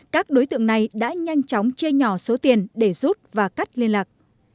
các đối tượng này đã nhanh chóng chia nhỏ số tiền để rút và cắt liên lạc